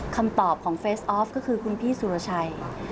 คำตอบของเฟสออฟก็คือคุณพี่สุรชัย